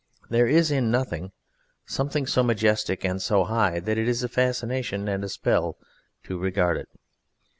There is in Nothing something so majestic and so high that it is a fascination and spell to regard it.